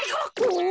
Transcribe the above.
お！